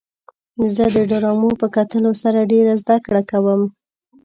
زه د ډرامو په کتلو سره ډېره زدهکړه کوم.